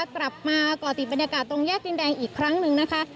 กลับมาก่อติดบรรยากาศตรงแยกดินแดงอีกครั้งหนึ่งนะคะ